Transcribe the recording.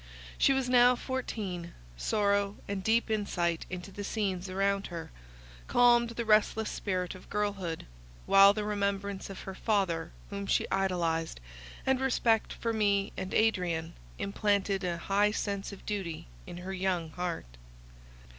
She was now fourteen; sorrow, and deep insight into the scenes around her, calmed the restless spirit of girlhood; while the remembrance of her father whom she idolized, and respect for me and Adrian, implanted an high sense of duty in her young heart.